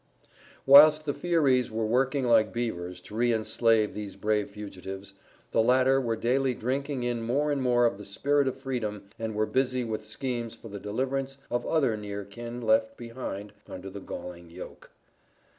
Whilst the Fierys were working like beavers to re enslave these brave fugitives, the latter were daily drinking in more and more of the spirit of freedom and were busy with schemes for the deliverance of other near kin left behind under the galling yoke.